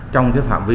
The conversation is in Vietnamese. trong cái phạm vi